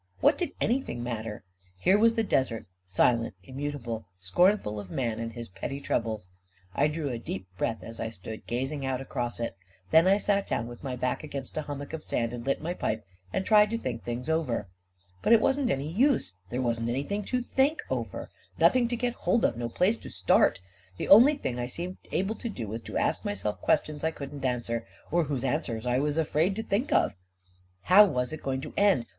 What did anything matter? Here was the desert, silent, immutable, scornful of man and his petty troubles. I drew a deep breath, as I stood gazing out across it; then I sat down with my back against a hummock of sand, and lit my pipe, and tried to think things over. But it wasn't any use — there wasn't anything to think over — nothing to get hold of — no place to start! The only thing I seemed able to do was to ask myself questions I couldn't answer — or whose answers I was afraid to think of ! How was it going to end?